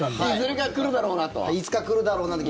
いつか来るだろうなと。